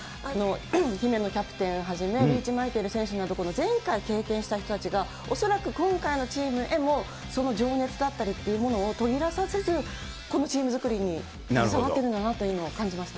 姫野キャプテンをはじめ、リーチマイケル選手など、前回経験した人たちが、恐らく今回のチームへもその情熱だったりというものをとぎらさせず、このチーム作りに携わってるんだなということを感じました。